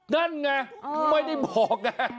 นั่นไงไม่ได้บอกไง